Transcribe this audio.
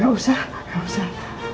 gak usah gak usah